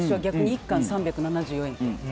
１貫３７４円って。